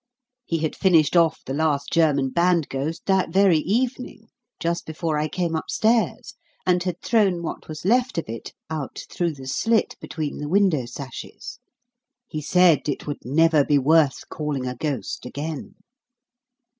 He had finished off the last German band ghost that very evening, just before I came upstairs, and had thrown what was left of it out through the slit between the window sashes. He said it would never be worth calling a ghost again.